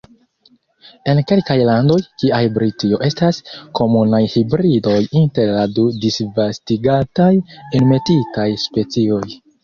En kelkaj landoj, kiaj Britio, estas komunaj hibridoj inter la du disvastigataj Enmetitaj specioj.